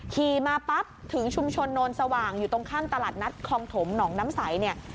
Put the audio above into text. ขี่มาปั๊บถึงชุมชนโนนสว่างอยู่ตรงข้ามตลาดนัดคองถมหนองน้ำใสเนี่ย